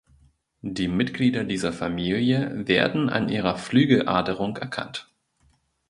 Die Mitglieder dieser Familie werden an ihrer Flügeladerung erkannt.